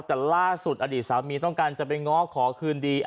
แต่ล่าสุดอดีตสามีต้องการจะไปง้อขอคืนดี